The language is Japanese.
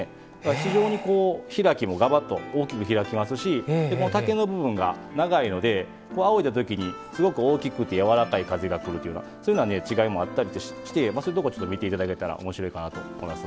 非常に開きもガバッと大きく開きますし竹の部分が長いのであおいだときにすごく大きくて、やわらかい風がくるという違いもあったりして、そういうところを見ていただけたらおもしろいなと思います。